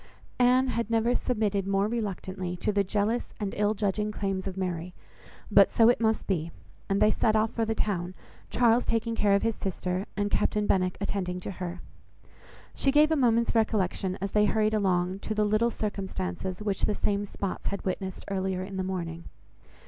Anne had never submitted more reluctantly to the jealous and ill judging claims of Mary; but so it must be, and they set off for the town, Charles taking care of his sister, and Captain Benwick attending to her. She gave a moment's recollection, as they hurried along, to the little circumstances which the same spots had witnessed earlier in the morning.